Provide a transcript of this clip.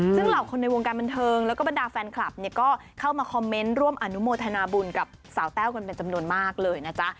ซึ่งเหล่าคนในวงการบันเทิงแล้วก็บรรดาแฟนคลับเนี่ยก็เข้ามาคอมเมนต์ร่วมอนุโมทนาบุญกับสาวแต้วกันเป็นจำนวนมากเลยนะจ๊ะ